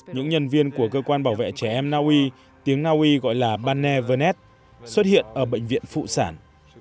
những nhân viên của cơ quan bảo vệ trẻ em naui tiếng naui gọi là banne xuất hiện ở bệnh viện phụ sản